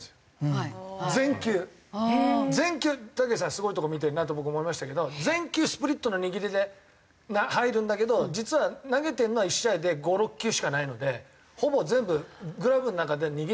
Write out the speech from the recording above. すごいとこ見てるなと僕思いましたけど全球スプリットの握りで入るんだけど実は投げてるのは１試合で５６球しかないのでほぼ全部グラブの中で握り変えてる。